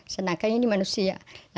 sedangkan ini manusia